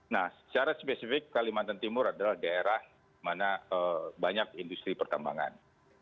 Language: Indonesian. nah secara spesifik kalimantan timur adalah daerah mana banyak industri pertambangan